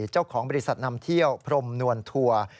เจ้าของบริษัทนำเที่ยวพรมนวลทัวร์